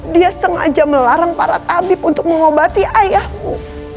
dia sengaja melarang para tabib untuk mengobati ayahku